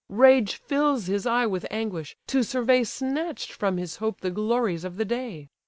Rage fills his eye with anguish, to survey Snatch'd from his hope the glories of the day.